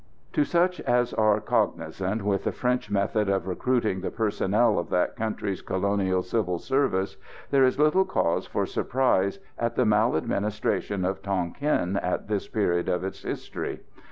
To such as are cognisant with the French methods of recruiting the personnel of that country's colonial civil service, there is little cause for surprise at the maladministration of Tonquin at this period of its history.